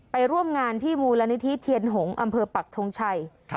ร่วมงานที่มูลนิธิเทียนหงษ์อำเภอปักทงชัย